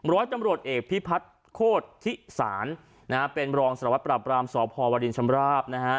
ร้อยตำรวจเอกพี่พัทธ์โคตรทิสารเป็นรองสละวัดปรับรามสอบพอวาลินชำราบ